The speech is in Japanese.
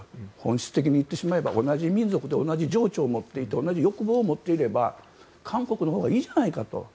本質的に言ってしまえば同じ民族で同じ情緒を持っていて同じ欲望を持っていれば韓国のほうがいいじゃないかと。